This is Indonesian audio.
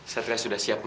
satri sudah siap ma